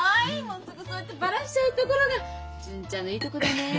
もうすぐそうやってバラしちゃうところが純ちゃんのいいとこだね。